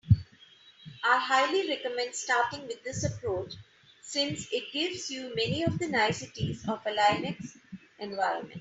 I highly recommend starting with this approach, since it gives you many of the niceties of a Linux environment.